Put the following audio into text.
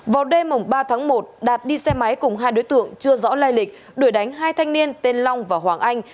vào đêm ba tháng một đạt đi xe máy cùng hai đối tượng chưa rõ lai lịch đuổi đánh hai thanh niên tên long và hoàng anh